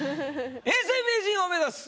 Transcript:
永世名人を目指す